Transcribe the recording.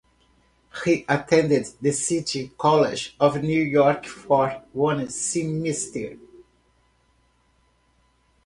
He attended the City College of New York for one semester.